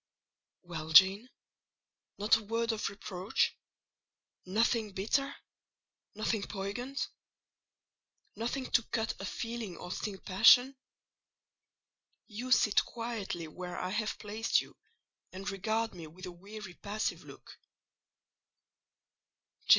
"Well, Jane! not a word of reproach? Nothing bitter—nothing poignant? Nothing to cut a feeling or sting a passion? You sit quietly where I have placed you, and regard me with a weary, passive look.